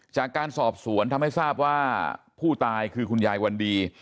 จากการสอบสวนทำให้ทราบว่าผู้ตายคือคุณยายวันดี